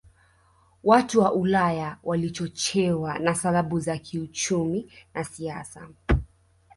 Watu wa Ulaya walichochewa na sababu za kiuchumi na siasa